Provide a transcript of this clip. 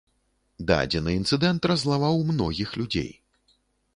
Дадзены інцыдэнт раззлаваў многіх людзей.